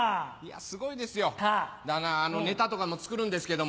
すごいですよネタとかも作るんですけども。